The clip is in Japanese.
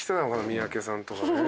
三宅さんとかね。